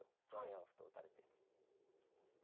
４四歩と打たれて。